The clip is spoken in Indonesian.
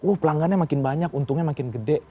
oh pelanggannya makin banyak untungnya makin gede